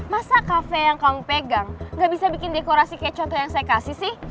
masa kafe yang kamu pegang gak bisa bikin dekorasi kayak contoh yang saya kasih sih